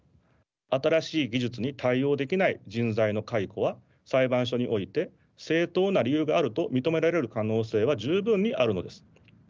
新しい技術に対応できない人材の解雇は裁判所において正当な理由があると認められる可能性は十分にあるのです。